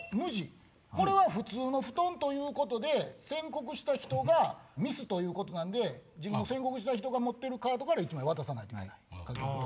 これは普通の布団ということで宣告した人がミスということなんで宣告した人が持ってるカードから１枚渡さないといけない。